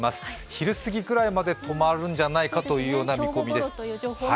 昼過ぎくらいまで止まるんじゃないかという見込みです。